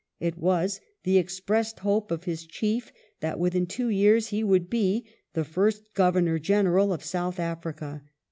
It was the expressed hope of his Chief that within two years he would be " the fii st Governor General of South Africa